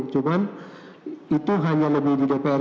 cuma itu hanya lebih di dpr